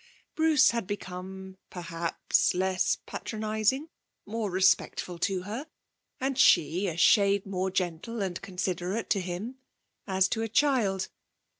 Bruce had become, perhaps, less patronising, more respectful to her, and she a shade more gentle and considerate to him, as to a child.